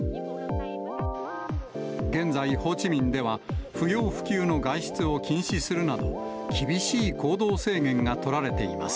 現在、ホーチミンでは、不要不急の外出を禁止するなど、厳しい行動制限が取られています。